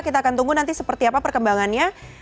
kita akan tunggu nanti seperti apa perkembangannya